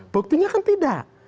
buktinya kan tidak